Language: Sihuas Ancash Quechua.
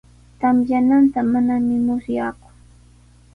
Tamyananta manami musyaaku.